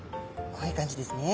こういう感じですね。